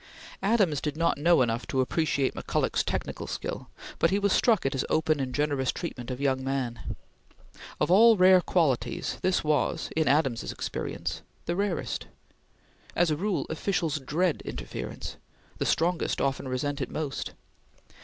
Adams did not know enough to appreciate McCulloch's technical skill, but he was struck at his open and generous treatment of young men. Of all rare qualities, this was, in Adams's experience, the rarest. As a rule, officials dread interference. The strongest often resent it most.